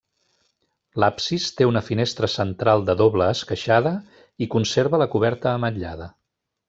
L'absis té una finestra central de doble esqueixada i conserva la coberta ametllada.